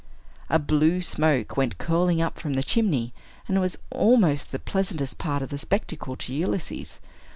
A blue smoke went curling up from the chimney, and was almost the pleasantest part of the spectacle to Ulysses.